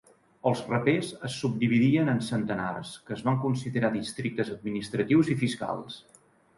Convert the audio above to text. Els rapés es subdividien en centenars, que es van considerar districtes administratius i fiscals.